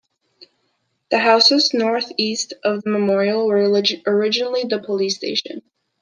The houses north-east of the memorial were originally the police station.